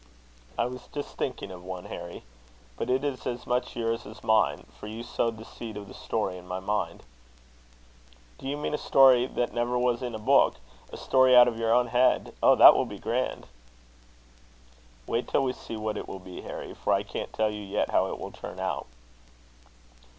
"I was just thinking of one, Harry; but it is as much yours as mine, for you sowed the seed of the story in my mind." "Do you mean a story that never was in a book a story out of your own head? Oh! that will be grand!" "Wait till we see what it will be, Harry; for I can't tell you how it will turn out."